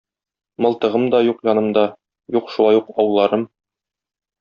Мылтыгым да юк янымда, юк шулай ук ауларым.